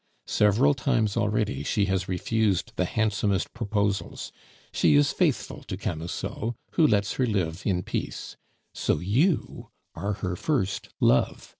Several times already she has refused the handsomest proposals; she is faithful to Camusot, who lets her live in peace. So you are her first love.